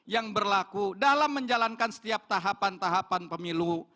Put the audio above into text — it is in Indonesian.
yang berlaku dalam menjalankan setiap tahapan tahapan pemilu